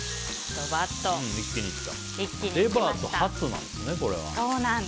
レバーとハツなんですね。